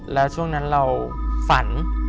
แล้วช่วงนั้นเราฝัน